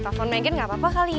telepon megan gapapa kali ya